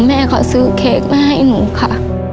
แม่เขาซื้อเค้กมาให้หนูค่ะ